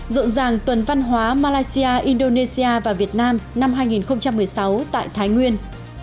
rộn ràng tuần văn hóa malaysia indonesia và việt nam năm hai nghìn một mươi sáu tại thái nguyên